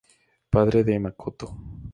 Padre de Makoto.